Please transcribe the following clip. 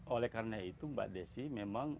oleh karena itu mbak desi memang